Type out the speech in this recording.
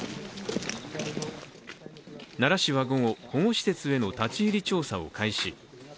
奈良市は午後、保護施設への立ち入り調査を開始。